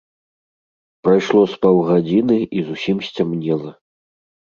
Прайшло з паўгадзiны, i зусiм сцямнела.